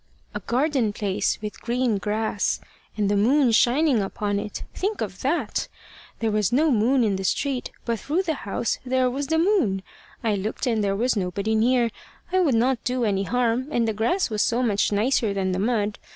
A garden place with green grass, and the moon shining upon it! Think of that! There was no moon in the street, but through the house there was the moon. I looked and there was nobody near: I would not do any harm, and the grass was so much nicer than the mud!